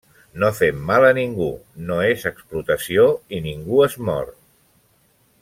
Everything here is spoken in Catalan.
No fem mal a ningú, no és explotació, i ningú es mor.